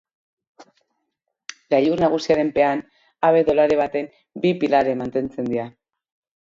Gailur nagusiaren pean habe-dolare baten bi pilare mantentzen dira.